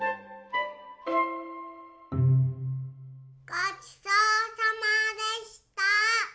ごちそうさまでした！